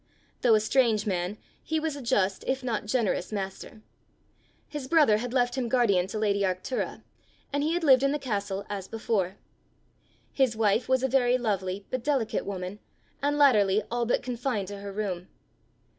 Though a strange man, he was a just if not generous master. His brother had left him guardian to lady Arctura, and he had lived in the castle as before. His wife was a very lovely, but delicate woman, and latterly all but confined to her room.